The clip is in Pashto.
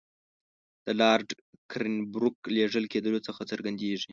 د لارډ کرېنبروک لېږل کېدلو څخه څرګندېږي.